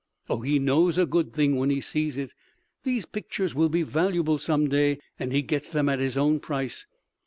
Oh, he knows a good thing when he sees it. These pictures will be valuable some day, and he gets them at his own price.